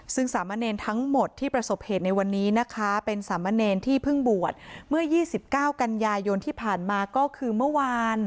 ซึ่งสามะเนรทั้งหมดที่ประสบเหตุในวันนี้นะคะเป็นสามเณรที่เพิ่งบวชเมื่อ๒๙กันยายนที่ผ่านมาก็คือเมื่อวาน